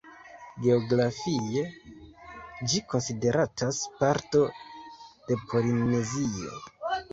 Geografie, ĝi konsideratas parto de Polinezio.